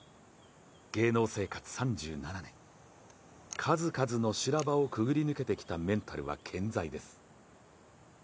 芸能生活３７年、数々の修羅場をくぐり抜けてきたメンタルは健在です。